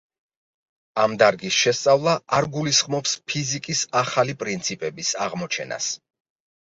ამ დარგის შესწავლა არ გულისხმობს ფიზიკის ახალი პრინციპების აღმოჩენას.